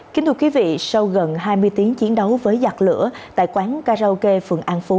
kính thưa quý vị sau gần hai mươi tiếng chiến đấu với giặt lửa tại quán karaoke phường an phú